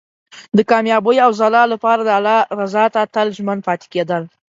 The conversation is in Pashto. د کامیابۍ او ځلا لپاره د الله رضا ته تل ژمن پاتې کېدل.